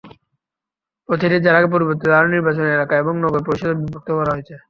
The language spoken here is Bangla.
প্রতিটি জেলাকে পরবর্তীতে আরও নির্বাচনী এলাকা এবং নগর পরিষদে বিভক্ত করা হয়েছে।